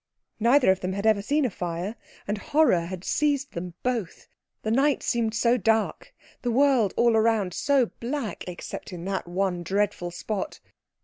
Neither of them had ever seen a fire, and horror had seized them both. The night seemed so dark, the world all round so black, except in that one dreadful spot.